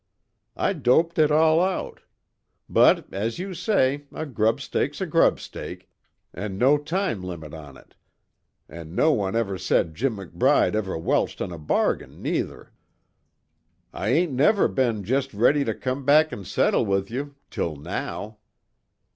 I doped it all out. But, as you say, a grub stake's a grub stake, an' no time limit on it, an' no one ever said Jim McBride ever welched on a bargain, neither. I ain't never be'n just ready to come back an' settle with you, till now.